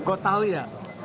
kau tau ya